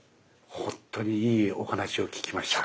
本当にいいお話を聞きました。